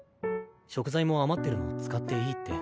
食材も余ってるの使っていいって。